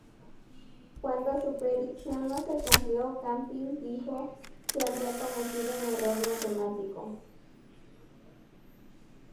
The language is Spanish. Cuando su predicción no se cumplió, Camping dijo que había cometido un error matemático.